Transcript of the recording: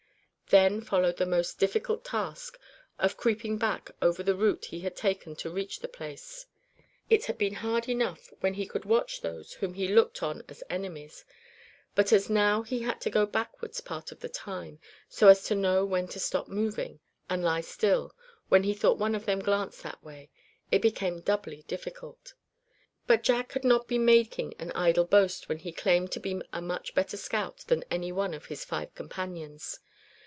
Then followed the most difficult task of creeping back over the route he had taken to reach the place. It had been hard enough when he could watch those whom he looked on as enemies; but as now he had to go backwards part of the time, so as to know when to stop moving, and lie still, when he thought one of them glanced that way, it became doubly difficult. But Jack had not been making an idle boast when he claimed to be a much better scout than any one of his five companions.